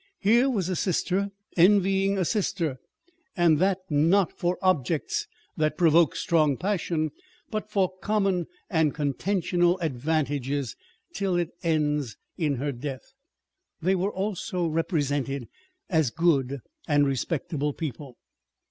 Here was a sister envying a sister, and that not for objects that provoke strong passion, but for common and contentional advantages, till it ends in her death. They were also re presented as good and respectable people.